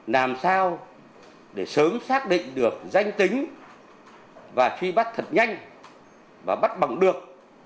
làm sao để sớm xác định được danh tính và truy bắt thật nhanh và bắt bằng được